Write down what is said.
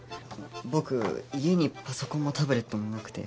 僕家にパソコンもタブレットもなくて。